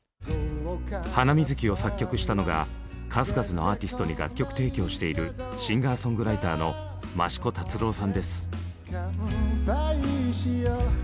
「ハナミズキ」を作曲したのが数々のアーティストに楽曲提供しているシンガーソングライターのマシコタツロウさんです。